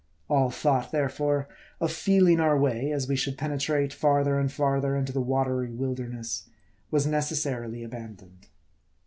All thought, therefore, of feeling our way, as we should pene trate farther and farther into the watery wilderness, was necessarily abandoned.